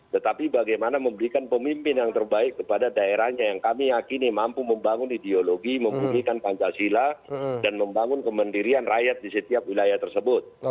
tetapi bagaimana memberikan pemimpin yang terbaik kepada daerahnya yang kami yakini mampu membangun ideologi membunyikan pancasila dan membangun kemandirian rakyat di setiap wilayah tersebut